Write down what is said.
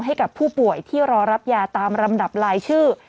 ให้กับผู้ป่วยที่รอรับยาตามลำดับลายชื่อ